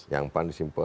yang pan disimpen